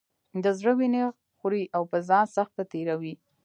د زړه وینې خوري او په ځان سخته تېروي.